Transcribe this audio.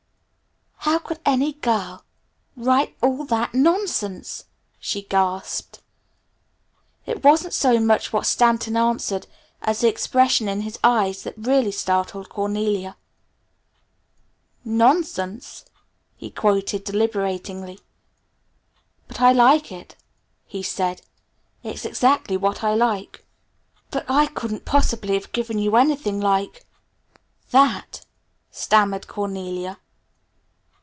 "How could any girl write all that nonsense?" she gasped. It wasn't so much what Stanton answered, as the expression in his eyes that really startled Cornelia. "Nonsense?" he quoted deliberatingly. "But I like it," he said. "It's exactly what I like." "But I couldn't possibly have given you anything like that," stammered Cornelia.